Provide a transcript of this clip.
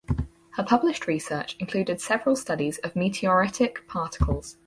Her published research included several studies of meteoritic particles.